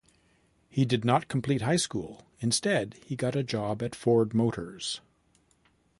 He did not complete high school, instead he got a job at Ford Motors.